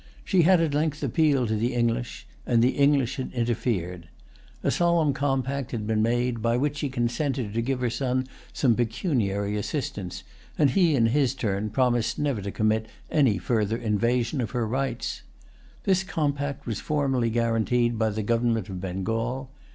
She had at length appealed to the English; and the English had interfered. A solemn[Pg 190] compact had been made, by which she consented to give her son some pecuniary assistance, and he in his turn promised never to commit any further invasion of her rights. This compact was formally guaranteed by the government of Bengal.